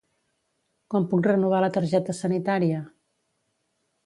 Com puc renovar la targeta sanitària?